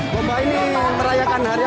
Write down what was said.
lomba ini merayakan hari apa